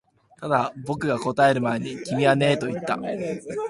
ただ、僕が答える前にねえと君は言った